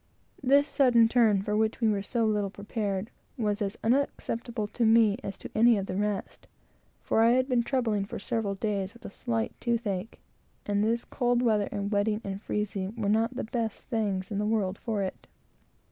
This sudden turn, for which we were so little prepared, was as unacceptable to me as to any of the rest; for I had been troubled for several days with a slight tooth ache, and this cold weather, and wetting and freezing, were not the best things in the world for it.